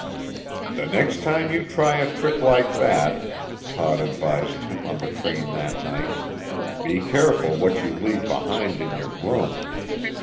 "The next time you try a trick like that," Todd advised him, on the train that night, "be careful what you leave behind in your room.